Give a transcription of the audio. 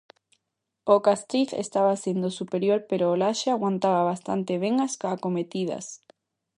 O Castriz estaba sendo superior pero o Laxe aguantaba bastante ben as acometidas.